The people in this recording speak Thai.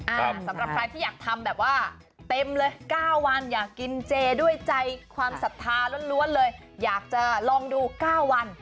สำหรับใครที่อยากทำแบบว่าเต็มเลย๙วันอยากกินเจด้วยใจความศรัทธาล้วนเลยอยากจะลองดู๙วัน